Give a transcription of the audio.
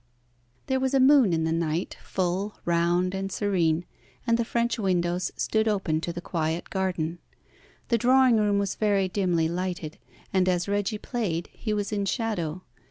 There was a moon in the night, full, round, and serene, and the French windows stood open to the quiet garden. The drawing room was very dimly lighted, and as Reggie played, he was in shadow.